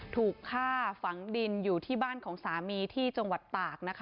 ถูกฆ่าฝังดินอยู่ที่บ้านของสามีที่จังหวัดตากนะคะ